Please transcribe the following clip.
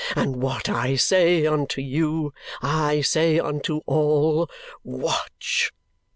And what I say unto you, I say unto all, Watch!'"